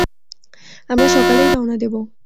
আমরা সকালেই রওনা দেবো।